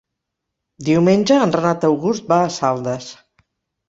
Diumenge en Renat August va a Saldes.